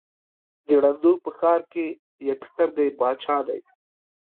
د ړندو په ښآر کې يک سترگى باچا دى.